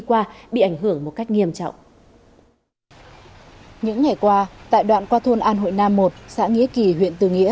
qua bị ảnh hưởng một cách nghiêm trọng những ngày qua tại đoạn qua thôn an hội nam một xã nghĩa kỳ